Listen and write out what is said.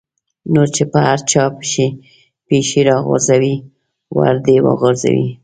نور چې په هر چا پېښې را غورځي ور دې وغورځي.